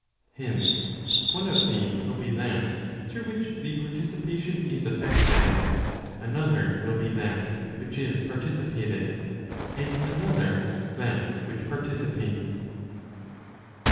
Hence, one of these will be that through which the participation is effected, another will be that which is participated, and another that which participates.